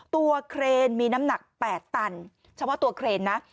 เครนมีน้ำหนัก๘ตันเฉพาะตัวเครนนะ